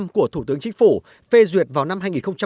của thủ tướng chính phủ phê duyệt vào năm hai nghìn một mươi bảy